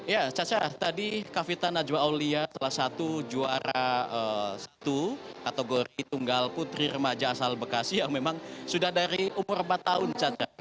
ya caca tadi kavita najwa aulia salah satu juara satu kategori tunggal putri remaja asal bekasi yang memang sudah dari umur empat tahun caca